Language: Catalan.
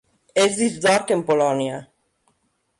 És disc d'or en Polònia.